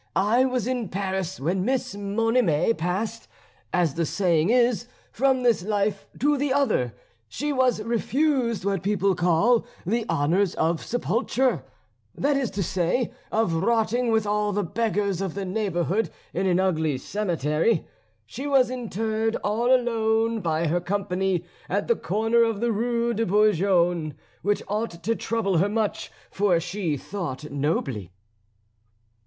I was in Paris when Miss Monime passed, as the saying is, from this life to the other. She was refused what people call the honours of sepulture that is to say, of rotting with all the beggars of the neighbourhood in an ugly cemetery; she was interred all alone by her company at the corner of the Rue de Bourgogne, which ought to trouble her much, for she thought nobly."